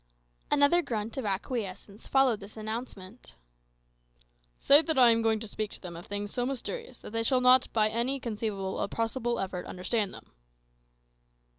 Another grunt of acquiescence followed this announcement. "Say that I am going to speak to them of things so mysterious that they shall not by any conceivable or possible effort understand them."